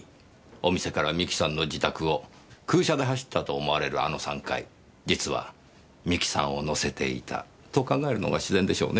お店から美紀さんの自宅を空車で走ったと思われるあの３回実は美紀さんを乗せていたと考えるのが自然でしょうね。